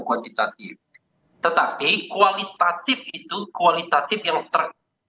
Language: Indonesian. sudah tidak relevan lagi kalau kita kaitkan dengan sekarang